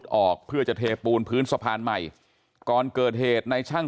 ออกเพื่อจะเทปูนพื้นสะพานใหม่ก่อนเกิดเหตุในช่าง